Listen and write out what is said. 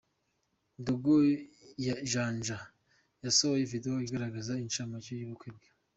Dogo Janja yasohoye video igaragaza incamake y’ubukwe bwe.